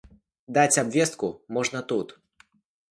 Даць абвестку можна тут.